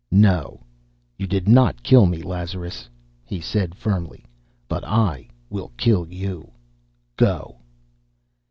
"No, you did not kill me, Lazarus," said he firmly. "But I will kill you. Go!"